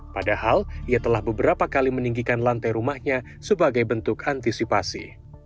padahal ia telah beberapa kali meninggikan lantai rumahnya sebagai bentuk antisipasi